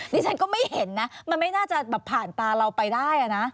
ดิฉันก็ไม่เห็นนะมันไม่น่าจะแบบผ่านตาเราไปได้นะ